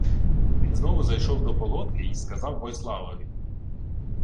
Він знову зайшов до полотки й сказав Войславові: